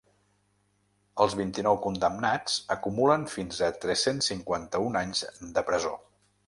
Els vint-i-nou condemnats acumulen fins a tres-cents cinquanta-u anys de presó.